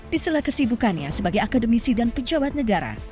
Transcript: di sela kesibukannya sebagai akademisi dan pejabat negara